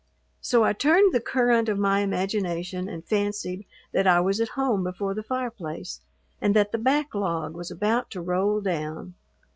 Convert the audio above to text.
So I turned the current of my imagination and fancied that I was at home before the fireplace, and that the backlog was about to roll down.